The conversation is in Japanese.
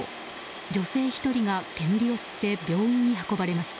女性１人が煙を吸って病院に運ばれました。